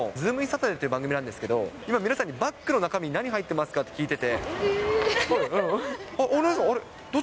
サタデーという番組なんですけれども、今、皆さんにバッグの中身何入ってますかって聞いてて。